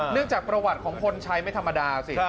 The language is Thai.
เนื่องจากประวัติของพนชัยไม่ธรรมดาสิ